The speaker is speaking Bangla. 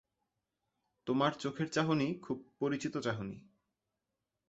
তোমার চোখের চাহনি খুব পরিচিত চাহনি।